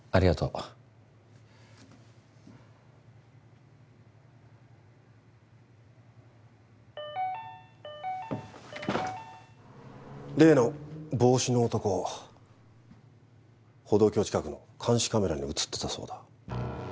・ピロリンピロリン例の帽子の男歩道橋近くの監視カメラに映ってたそうだ。